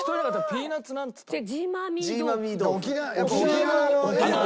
ピーナッツなんつったの？